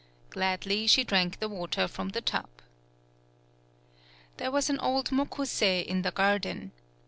Gladly, she drank the water from the tub. There was an old Mokusei in the garden.